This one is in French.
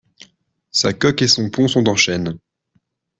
Sa coque et son pont sont en chêne.